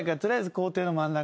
校庭の真ん中？